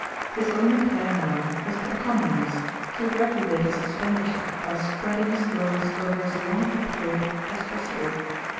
His only care now was to economize, to regulate his expenditure by spreading his drawings over as long a period as possi 94 ble.